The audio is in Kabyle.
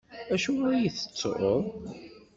Acuɣeṛ i iyi-tettuḍ?